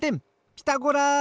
ピタゴラ！